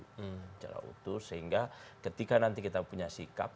secara utuh sehingga ketika nanti kita punya sikap